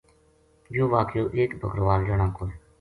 یوہ واقعو ایک بکروال جنا کو